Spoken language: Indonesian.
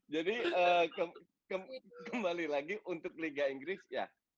jadi kembali lagi untuk liga inggris ya